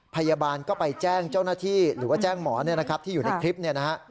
พยาบาลก็ไปแจ้งเจ้าหน้าที่หรือว่าแจ้งหมอที่อยู่ในคลิปนี้นะฮะ